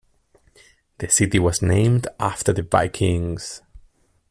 The city was named after the Vikings.